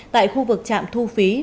tại khu vực trạm thu phí